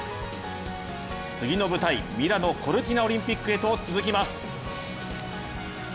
次の舞台ミラノ・コルティナオリンピックへと続きます。